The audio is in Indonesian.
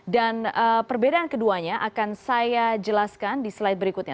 dan perbedaan keduanya akan saya jelaskan di slide berikutnya